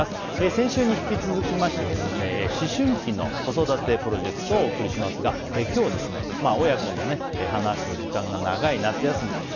先週に引き続きまして思春期の子育てプロジェクトをお送りしますが今日は親子の話と時間が長い夏休み。